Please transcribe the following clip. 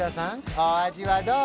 お味はどう？